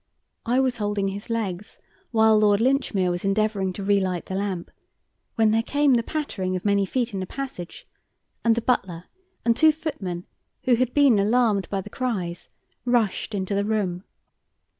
I was holding his legs while Lord Linchmere was endeavouring to relight the lamp, when there came the pattering of many feet in the passage, and the butler and two footmen, who had been alarmed by the cries, rushed into the room.